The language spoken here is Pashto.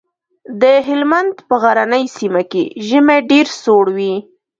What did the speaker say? د هلمند په غرنۍ سيمه کې ژمی ډېر سوړ وي.